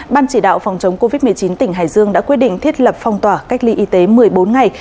ban chỉ đạo phòng chống covid một mươi chín tỉnh hải dương đã quyết định thiết lập phong tỏa cách ly y tế một mươi bốn ngày